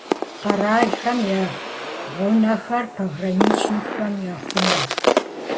Къэралхэм я гъунэхэр пограничникхэм яхъумэ.